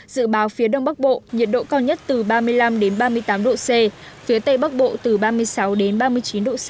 dự báo phía đông bắc bộ nhiệt độ cao nhất từ ba mươi năm ba mươi tám độ c phía tây bắc bộ từ ba mươi sáu đến ba mươi chín độ c